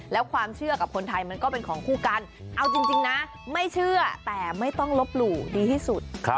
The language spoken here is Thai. แล้วความเชื่อกับคนไทยมันก็เป็นของคู่กันเอาจริงนะไม่เชื่อแต่ไม่ต้องลบหลู่ดีที่สุด